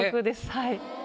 はい。